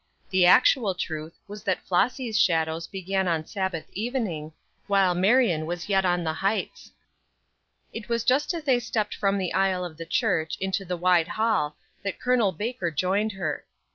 The actual truth was that Flossy's shadows began on Sabbath evening, while Marion was yet on the heights. It was just as they stepped from the aisle of the church into the wide hall that Col. Baker joined her.